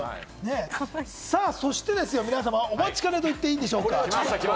そして皆様、お待ちかねと言っていいでしょうか。